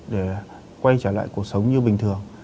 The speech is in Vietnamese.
để quay trở lại cuộc sống như bình thường